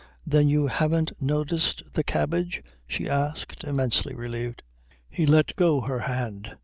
"Then you haven't noticed the cabbage?" she asked, immensely relieved. He let go her hand.